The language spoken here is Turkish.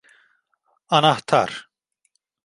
Anahtar.